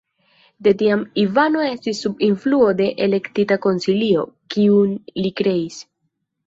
De tiam Ivano estis sub influo de "Elektita Konsilio", kiun li kreis.